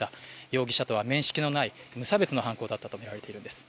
容疑者とは面識のない無差別の犯行だったとみられているんです。